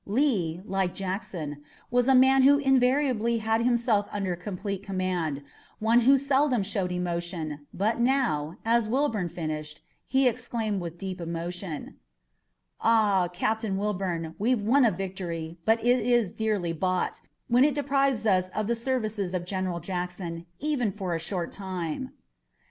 Lee, like Jackson, was a man who invariably had himself under complete command, one who seldom showed emotion, but now, as Wilbourn finished, he exclaimed with deep emotion: "Ah, Captain Wilbourn, we've won a victory, but it is dearly bought, when it deprives us of the services of General Jackson, even for a short time!"